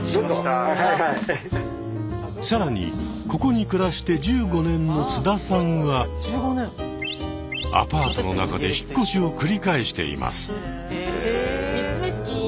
さらにここに暮らして１５年の須田さんはアパートの中で引っ越しを繰り返しています。